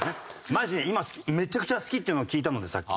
マジで今めちゃくちゃ好きっていうのを聞いたのでさっき。